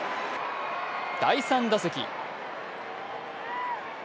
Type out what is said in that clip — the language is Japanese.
第３打席。